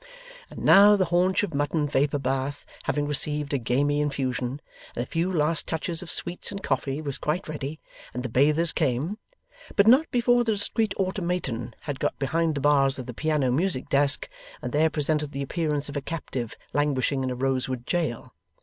And now the haunch of mutton vapour bath having received a gamey infusion, and a few last touches of sweets and coffee, was quite ready, and the bathers came; but not before the discreet automaton had got behind the bars of the piano music desk, and there presented the appearance of a captive languishing in a rose wood jail.